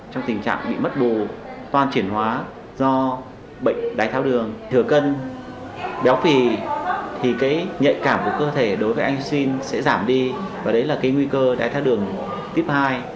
trong tình trạng bị mất bù toàn triển hóa do bệnh đái tháo đường thừa cân béo phì thì cái nhạy cảm của cơ thể đối với anh xuyên sẽ giảm đi và đấy là cái nguy cơ đáy thao đường tiếp hai